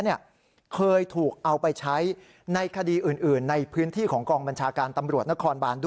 เคยถูกเอาไปใช้ในคดีอื่นในพื้นที่ของกองบัญชาการตำรวจนครบานด้วย